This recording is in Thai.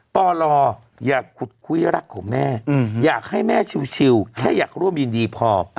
ปลอย่าขุดคุยรักของแม่อยากให้แม่ชิวแค่อยากร่วมยินดีพอ